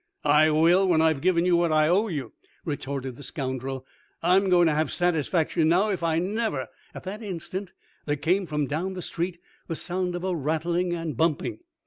"I will when I've given you what I owe you!" retorted the scoundrel. "I'm going to have satisfaction now if I never " At that instant there came from down the street the sound of a rattling and bumping.